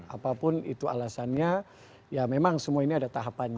apapun itu alasannya ya memang semua ini ada tahapannya